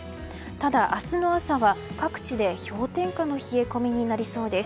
ただ、明日の朝は各地で氷点下の冷え込みになりそうです。